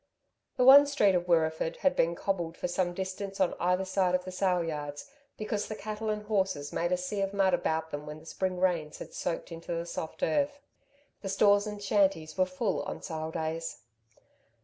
The one street of Wirreeford had been cobbled for some distance on either side of the sale yards because the cattle and horses made a sea of mud about them when the spring rains had soaked into the soft earth. The stores and shanties were full on sale days.